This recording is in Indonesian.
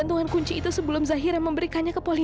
dorong kursi rodanya ke depan